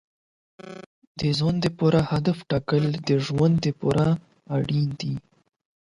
د ځان لپاره هدف ټاکل د ژوند لپاره اړین دي.